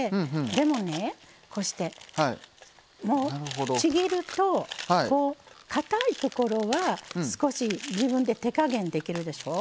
でも、こうしてちぎるとかたいところは、少し自分で手加減できるでしょ。